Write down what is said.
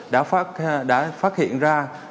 đã phát hiện ra